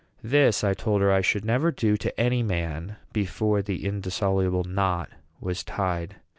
This, I told her, I should never do to any man before the indissoluble knot was tied.